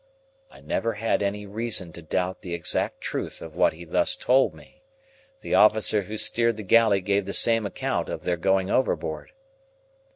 I never had any reason to doubt the exact truth of what he thus told me. The officer who steered the galley gave the same account of their going overboard.